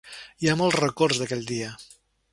Hi ha molts records d’aquell dia.